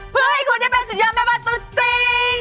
เพื่อให้คุณได้เป็นสุดยอดแม่บ้านตัวจริง